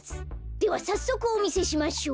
ではさっそくおみせしましょう。